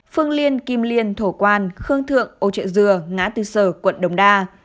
phương liên kim liên thổ quan khương thượng âu trịa dừa ngã tư sở quận đồng đa